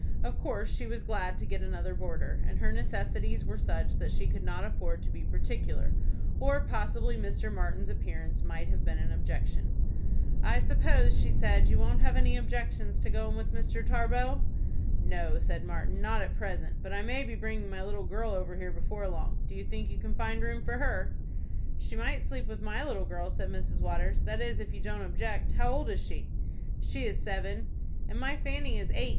Of course she was glad to get another boarder, and her necessities were such that she could not afford to be particular, or possibly Mr. Martin's appearance might have been an objection. "I suppose," she said, "you won't have any objection to go in with Mr. Tarbox." "No," said Martin, "not at present; but I may be bringing my little girl over here before long. Do you think you can find room for her?" "She might sleep with my little girl," said Mrs. Waters; "that is, if you don't object. How old is she?" "She is seven." "And my Fanny is eight.